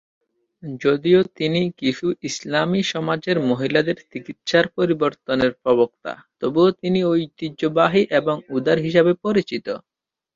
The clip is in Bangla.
যদিও তিনি কিছু ইসলামী সমাজের মহিলাদের চিকিত্সার পরিবর্তনের প্রবক্তা, তবুও তিনি ঐতিহ্যবাহী এবং উদার হিসাবে পরিচিত।